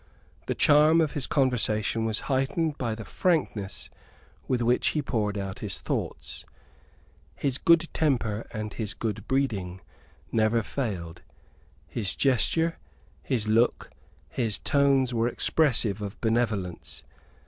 The charm of his conversation was heightened by the frankness with which he poured out his thoughts. His good temper and his good breeding never failed. His gesture, his look, his tones were expressive of benevolence.